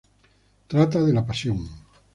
Trata de la pasión.